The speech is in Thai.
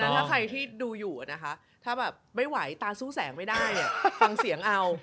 อย่างนั้นใครที่ดูอยู่ถ้าไม่ไหวตาสู้แสงไม่ได้ฟังเสียงเอา